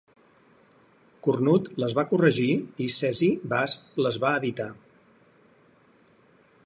Cornut les va corregir i Cesi Bas les va editar.